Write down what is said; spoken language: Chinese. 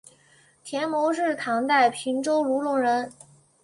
田牟是唐代平州卢龙人。